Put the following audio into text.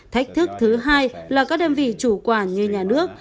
thách thức thứ hai là các đơn vị chủ quản như nhà nước